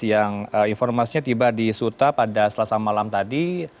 yang informasinya tiba di suta pada selasa malam tadi